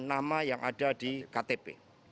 nama yang ada di ktp